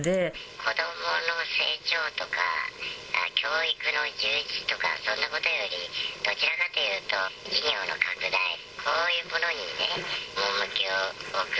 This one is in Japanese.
子どもの成長とか教育の充実とか、そんなことより、どちらかというと、事業の拡大、こういうものに重きを置く。